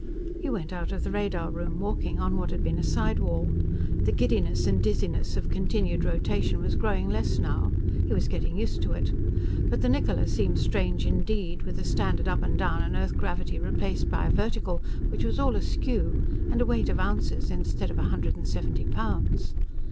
He went out of the radar room, walking on what had been a side wall. The giddiness and dizziness of continued rotation was growing less, now. He was getting used to it. But the Niccola seemed strange indeed, with the standard up and down and Earth gravity replaced by a vertical which was all askew and a weight of ounces instead of a hundred and seventy pounds.